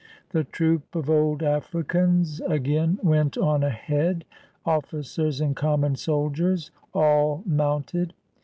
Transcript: The troop of old Africans again went on ahead, ofl5 cers and common soldiers, all mounted.